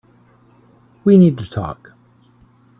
We need to talk.